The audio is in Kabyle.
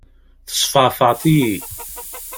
Tesfeεfεeḍ-iyi!